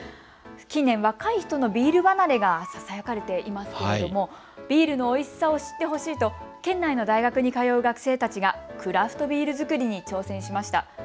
近年、若い人のビール離れがささやかれていますけども、ビールのおいしさを知ってほしいと県内の大学に通う学生たちがクラフトビール造りに挑戦しました。